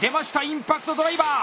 インパクトドライバー！